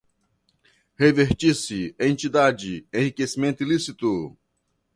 revestir-se, entidade, enriquecimento ilícito